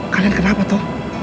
kalian kenapa toh